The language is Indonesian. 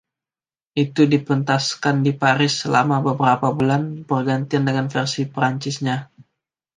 Itu dipentaskan di Paris selama beberapa bulan, bergantian dengan versi Perancisnya.